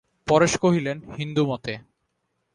পরেশ কহিলেন, হিন্দুমতে।